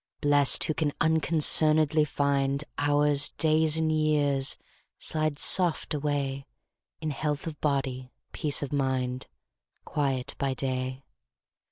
Blest, who can unconcern'dly find Hours, days, and years, slide soft away In health of body, peace of mind, Quiet by day.